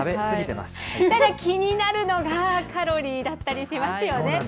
ただ気になるのがカロリーだったりしますよね。